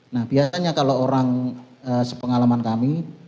nah biasanya kalau orang sepengalaman kami